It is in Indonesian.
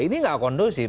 ini nggak kondusif